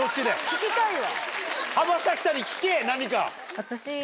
聞きたいわ。